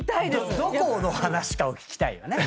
どこの話かを聞きたいよね。